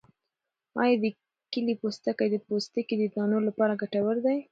آیا د کیلې پوستکی د پوستکي د دانو لپاره ګټور دی؟